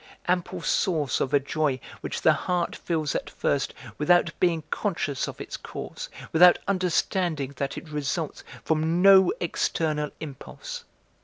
Ample source of a joy which the heart feels at first without being conscious of its cause, without understanding that it results from no external impulse!